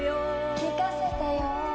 「聞かせてよ」